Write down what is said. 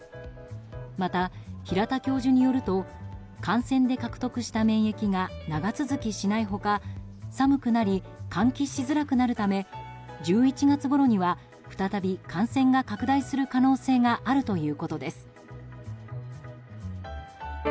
また、平田教授によると感染で獲得した免疫が長続きしない他寒くなり換気しづらくなるため１１月ごろには再び感染が拡大する可能性があるということです。